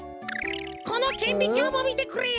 このけんびきょうもみてくれよ！